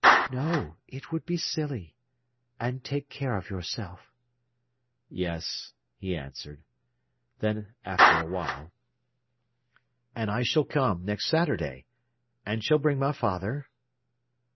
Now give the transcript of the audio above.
"No; it would be silly. And take care of yourself." "Yes," he answered. Then, after a while: "And I shall come next Saturday, and shall I bring my father?"